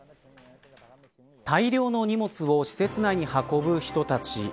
大量の荷物を施設内に運ぶ人たち。